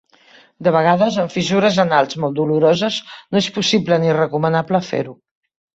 De vegades amb fissures anals molt doloroses no és possible ni recomanable fer-ho.